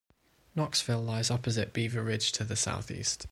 Knoxville lies opposite Beaver Ridge to the southeast.